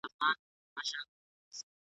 له خوړو وروسته لږ حرکت وکړه.